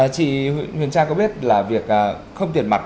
chị nguyễn tra có biết là việc không tiền mặt